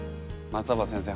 松尾葉先生